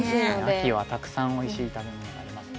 秋はたくさんおいしい食べ物がありますもんね。